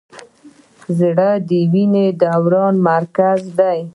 زړه د وینې دوران مرکز دی.